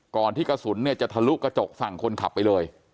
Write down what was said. ก่อนที่กระสุนจะทะลุกระจกฝั่งคนขับไปเลย